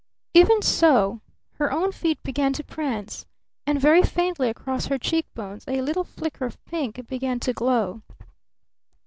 Even so, her own feet began to prance. And very faintly across her cheek bones a little flicker of pink began to glow.